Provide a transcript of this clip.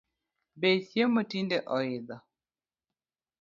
Bech chiemo tinde oidho